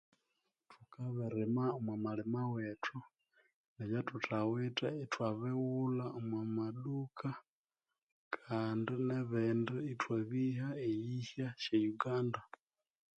Thukabirima omu malima wethu, ebyathuthawithe ithwabighulha omu maduka kandi nebindi ithwabiha eyihya sye Uganda .